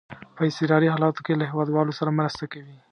په اضطراري حالاتو کې له هیوادوالو سره مرسته کوي.